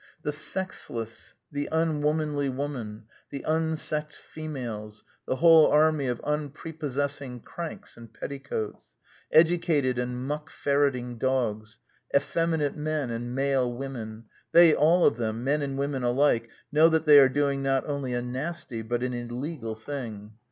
The sexless. ... The un womanly woman, the unsexed females, the whole army of unprepossessing cranks in petticoats. Educated and muck ferreting dogs. ... Effemi nate men and male women. ... They all of them — men and women alike — know that they are doing not only a nasty but an illegal thing.